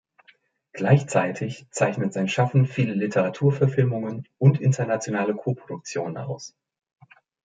Gleichzeitig zeichnet sein Schaffen viele Literaturverfilmungen und internationale Koproduktionen aus.